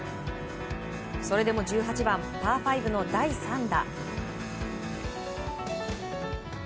それでも１８番パー５の第３打。